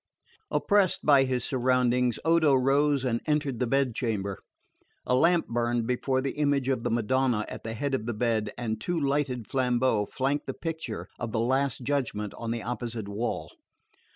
Oppressed by his surroundings, Odo rose and entered the bed chamber. A lamp burned before the image of the Madonna at the head of the bed, and two lighted flambeaux flanked the picture of the Last Judgment on the opposite wall.